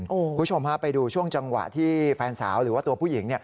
คุณผู้ชมฮะไปดูช่วงจังหวะที่แฟนสาวหรือว่าตัวผู้หญิง